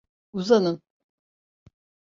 Uzanın…